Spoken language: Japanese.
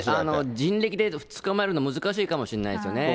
人力で捕まえるの難しいかもしれないですよね。